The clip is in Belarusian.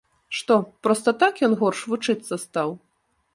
Што, проста так ён горш вучыцца стаў?